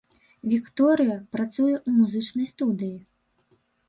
Вікторыя, працуе ў музычнай студыі.